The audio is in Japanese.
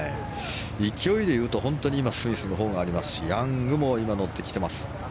勢いで言うと本当に今スミスのほうがありますしヤングも今、乗ってきています。